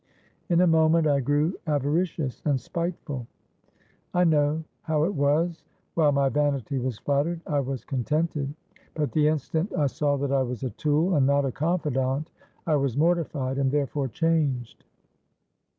In a moment I grew avaricious and spiteful. I know how it was: while my vanity was flattered, I was contented; but the instant I saw that I was a tool, and not a confidant, I was mortified, and therefore changed.